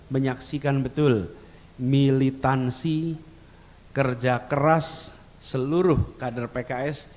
menyaksikan betul militansi kerja keras seluruh kader pks